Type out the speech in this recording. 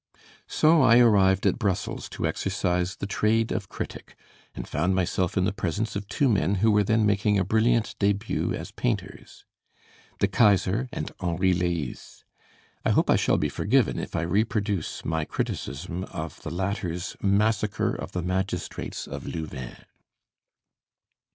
So I arrived at Brussels to exercise the trade of critic, and found myself in the presence of two men who were then making a brilliant debut as painters: De Keyser and Henri Leys. I hope I shall be forgiven if I reproduce my criticism of the latter's 'Massacre of the Magistrates of Louvain.'